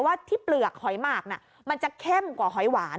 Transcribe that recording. ว่าที่เปลือกหอยหมากมันจะเข้มกว่าหอยหวาน